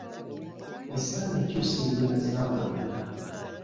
Essaala ekyusa embeera z'abantu.